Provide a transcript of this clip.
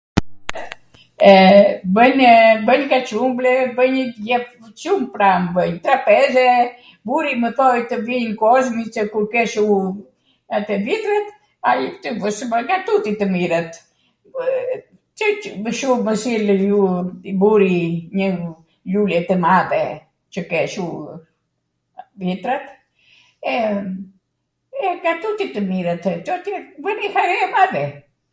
e, bwjnw, bwjnw kaCumble, bwjn shum pram bwnj, trapeze, buri mw thoj tw vijn kozmi se kur kesh u atw vitrat ai tw bwsh nga tuti tw mirat, siCw mw silli ju burri njw lule tw madhe qw kesh u vitrat, e, e nga tuti tw mirat, bwnej hare e madhe.